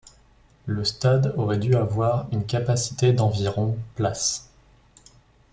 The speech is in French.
Le stade aurait dû avoir une capacité d'environ places.